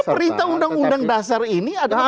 perintah undang undang dasar ini ada peserta